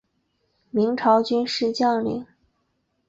明朝军事将领。